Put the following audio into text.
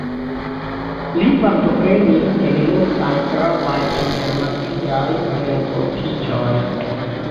Li partoprenis en multaj gravaj internaciaj renkontiĝoj.